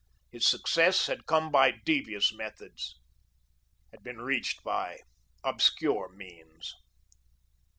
His success had come by devious methods, had been reached by obscure means.